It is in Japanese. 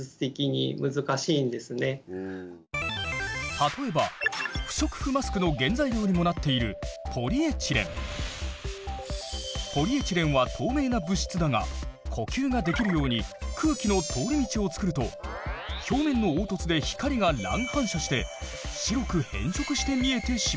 例えば不織布マスクの原材料にもなっているポリエチレンは透明な物質だが呼吸ができるように空気の通り道を作ると表面の凹凸で光が乱反射して白く変色して見えてしまう。